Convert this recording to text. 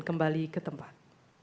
kembali ke tempat